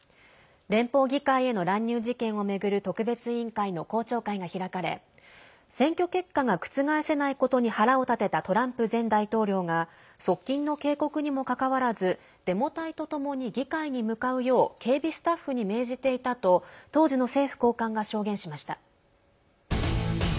連邦議会への乱入事件を巡る特別委員会の公聴会が開かれ選挙結果が覆せないことに腹を立てたトランプ前大統領が側近の警告にもかかわらずデモ隊とともに議会に向かうよう警備スタッフに命じていたと当時の政府高官が証言しました。